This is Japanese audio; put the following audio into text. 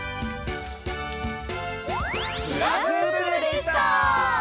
フラフープでした！